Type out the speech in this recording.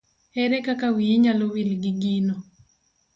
Here kaka wiyi nyalo wil gi gino.